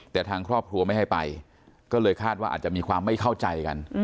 แต่ทางครอบครัวไม่ให้ไปก็เลยคาดว่าอาจจะมีความไม่เข้าใจกัน